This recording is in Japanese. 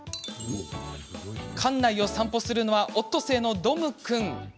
館内を散歩するのはオットセイのドム君。